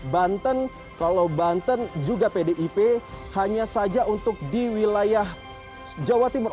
banten kalau banten juga pdip hanya saja untuk di wilayah jawa timur